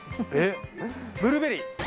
えっブルーベリー。